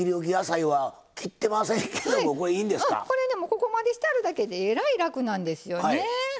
ここまでしてあるだけでえらい楽なんですよね。